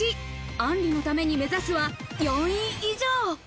あんりのために目指すは４位以上。